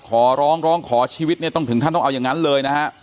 ขอร้องขอชีวิตต้องถึงท่านต้องเอาอย่างนั้นเลยนะครับ